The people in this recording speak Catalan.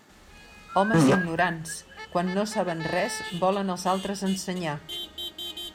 Homes ignorants, quan no saben res volen els altres ensenyar.